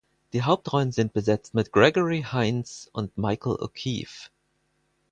Die Hauptrollen sind besetzt mit Gregory Hines und Michael O’Keefe.